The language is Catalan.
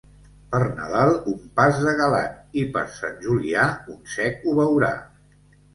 Per Nadal un pas de galant i per San Julià un cec ho veurà.